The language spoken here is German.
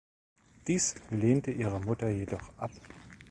Dies lehnte ihre Mutter jedoch ab.